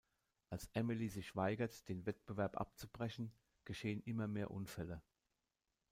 Als Emily sich weigert, den Wettbewerb abzubrechen, geschehen immer mehr Unfälle.